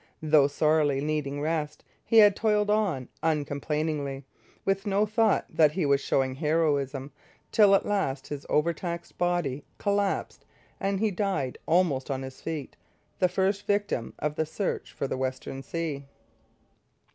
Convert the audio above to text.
Though sorely needing rest, he had toiled on uncomplainingly, with no thought that he was showing heroism, till at last his overtaxed body collapsed and he died almost on his feet the first victim of the search for the Western Sea.